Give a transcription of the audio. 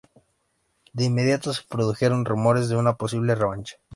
De inmediato se produjeron rumores de una posible revancha.